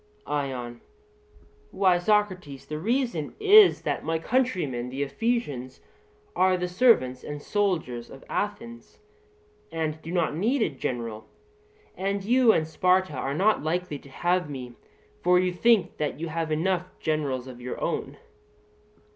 ION: Why, Socrates, the reason is, that my countrymen, the Ephesians, are the servants and soldiers of Athens, and do not need a general; and you and Sparta are not likely to have me, for you think that you have enough generals of your own.